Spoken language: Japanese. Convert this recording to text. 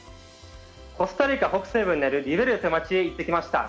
コスタリカ北西部にあるリベリアという街へ行ってきました。